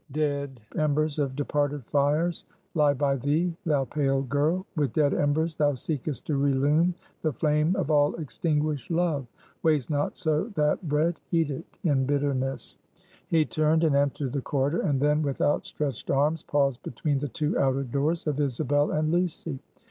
"Dead embers of departed fires lie by thee, thou pale girl; with dead embers thou seekest to relume the flame of all extinguished love! Waste not so that bread; eat it in bitterness!" He turned, and entered the corridor, and then, with outstretched arms, paused between the two outer doors of Isabel and Lucy.